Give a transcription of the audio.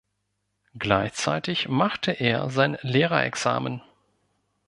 Gleichzeitig machte er sein Lehrerexamen.